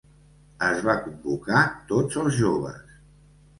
Es va convocar tots els joves.